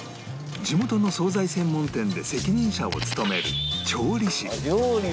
地元の惣菜専門店で責任者を務める調理師